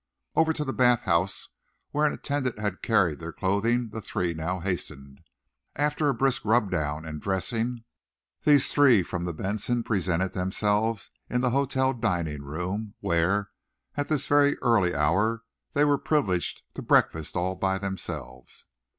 Over to the bath house, where an attendant had carried their clothing, the three now hastened. After a brisk rub down and dressing, these three from the "Benson" presented themselves in the hotel dining room, where, at this very early hour, they were privileged to breakfast all by themselves.